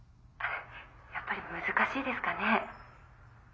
やっぱり難しいですかね？